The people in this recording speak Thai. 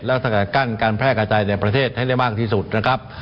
และสกัดกั้นการแพร่กระจายในประเทศให้ได้มากที่สุดนะครับ